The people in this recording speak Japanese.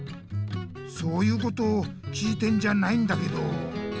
そういうことを聞いてんじゃないんだけど。